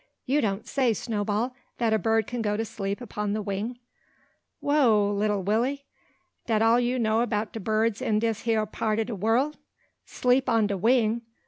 "You don't say, Snowball, that a bird can go to sleep upon the wing?" "Whoo! lilly Willy, dat all you know 'bout de birds in dis hya part ob do worl'? Sleep on de wing!